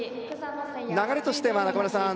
流れとしては中村さん